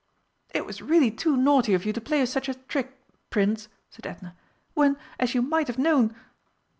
"It was really too naughty of you to play us such a trick, Prince!" said Edna, "when, as you might have known